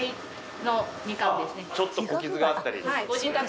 ちょっと傷があったり。